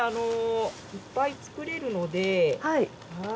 いっぱい作れるのではい。